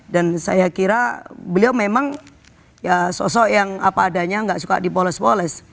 dan saya kira beliau memang sosok yang apa adanya gak suka dipoles poles